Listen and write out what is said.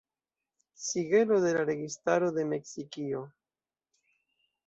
Sigelo de la registaro de Meksikio.